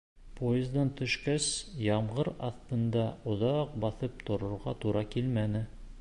Поездан төшкәс, ямғыр аҫтында оҙаҡ баҫып торорға тура килмәне.